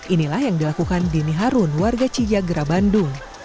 inilah yang dilakukan dini harun warga cijagera bandung